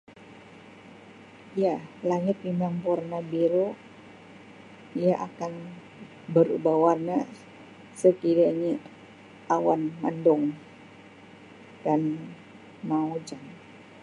Ya langit memang bewarna biru ia akan berubah warna sekiranya awan mendung dan mau hujan.